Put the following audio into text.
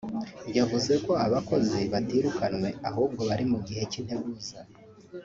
yavuze ko abakozi batirukanwe ahubwo bari mu gihe cy’integuza